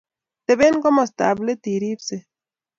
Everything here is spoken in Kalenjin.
Toben komostab let iribsei